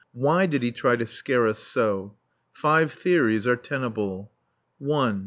Why did he try to scare us so? Five theories are tenable: (1.) M.